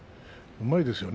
うまいですよね